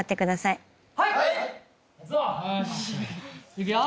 いくよ。